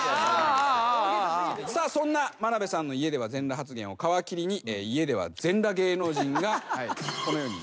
さあそんな眞鍋さんの家では全裸発言を皮切りに家では全裸芸能人がこのように。